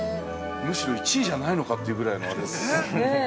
むしろ１位じゃないのかというぐらいのあれですよ。